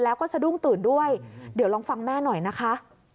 แล้วก็สะดุ้งตื่นด้วยเดี๋ยวลองฟังแม่หน่อยนะคะ